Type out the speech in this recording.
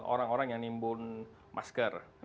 orang orang yang nimbun masker